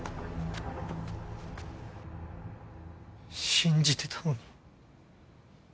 信じてたのに。